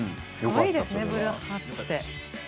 すごいですねブルーハーツって。